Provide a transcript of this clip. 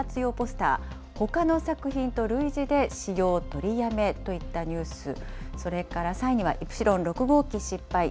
現在１位は内閣府啓発用ポスター、ほかの作品と類似で使用を取りやめといったニュース、それから３位には、イプシロン６号機失敗。